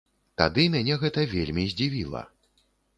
Тады мяне гэта вельмі здзівіла.